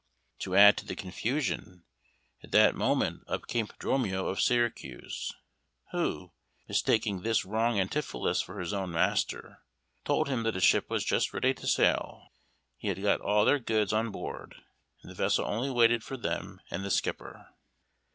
To add to the confusion, at that moment up came Dromio of Syracuse, who, mistaking this wrong Antipholus for his own master, told him that a ship was just ready to sail, he had got all their goods on board, and the vessel only waited for them and the skipper.